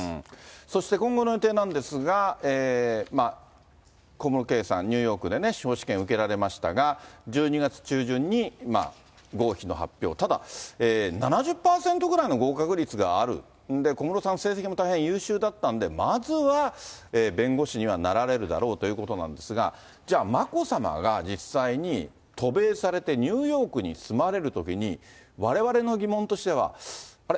そして今後の予定なんですが、小室圭さん、ニューヨークで司法試験受けられましたが、１２月中旬に、合否の発表、ただ、７０％ぐらいの合格率がある、小室さん、成績も大変優秀だったので、まずは弁護士にはなられるだろうということなんですが、じゃあ、眞子さまが実際に渡米されて、ニューヨークに住まれるときに、われわれの疑問としては、あれ？